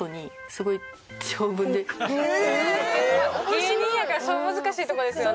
芸人やから難しいとこですよね。